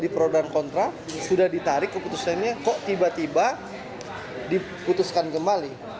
pro dan kontra sudah ditarik keputusannya kok tiba tiba diputuskan kembali